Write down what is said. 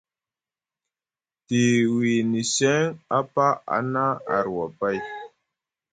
Te wiyini seŋ apa a na arwa pay,